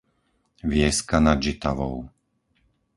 Vieska nad Žitavou